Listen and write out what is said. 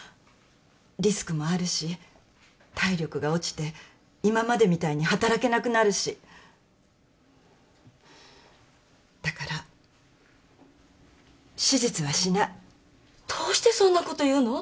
リスクもあるし体力が落ちて今までみたいに働けなくなるしだから手術はしないどうしてそんなこと言うの？